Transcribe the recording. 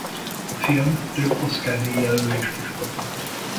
A film több Oscar-díj jelölést is kapott.